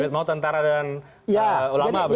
duit maut antara dengan ulama begitu ya